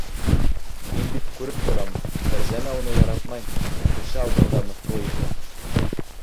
Мин бит күреп торам: Фәрзәнә уны яратмай, кеше алдында мыҫҡыл итә.